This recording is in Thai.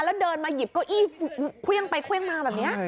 แล้วเดินมาหยิบเก้าอี้เครื่องไปเครื่องมาแบบนี้